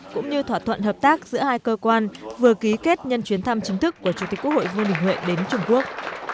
cũng như thỏa thuận hợp tác giữa hai cơ quan vừa ký kết nhân chuyến thăm chính thức của chủ tịch quốc hội vương đình huệ đến trung quốc